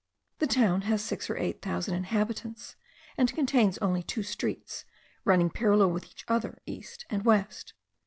The town has six or eight thousand inhabitants, and contains only two streets, running parallel with each other east and west.